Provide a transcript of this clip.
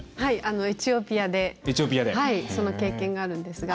エチオピアでその経験があるんですけど。